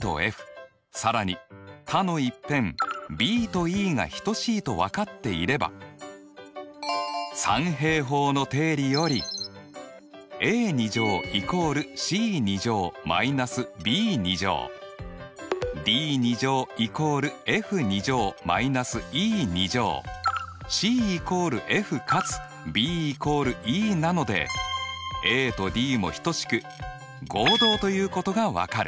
更に他の１辺ｂとｅが等しいと分かっていれば三平方の定理よりｃ＝ｆかつｂ＝ｅなのでａとｄも等しく合同ということが分かる。